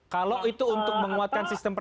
kalau itu untuk menguatkan sistem